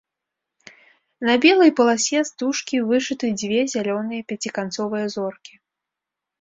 На белай паласе стужкі вышыты дзве зялёныя пяціканцовыя зоркі.